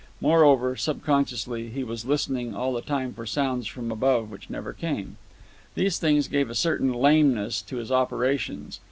Moreover, subconsciously, he was listening all the time for sounds from above which never came. These things gave a certain lameness to his operations.